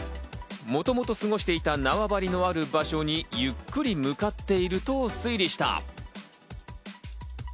もともと過ごしていたナワバリのある場所に、ゆっくり向かっていると推理した。